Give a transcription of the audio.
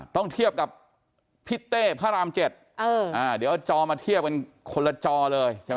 ต้องเทียบกับพี่เต้พระรามเจ็ดเดี๋ยวจอมาเทียบกันคนละจอเลย